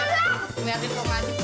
udah liat informasi gue